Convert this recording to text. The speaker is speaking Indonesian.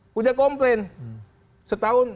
sudah komplain setahun